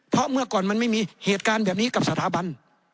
เพราะเมื่อก่อนมันไม่มีเหตุการณ์แบบนี้กับสถาบัน